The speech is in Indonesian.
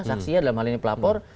saksinya dalam hal ini pelapor